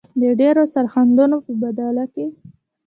د ډیرو سرښندنو په بدله کې.